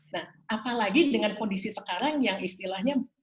nah apalagi dengan kondisi sekarang yang istilahnya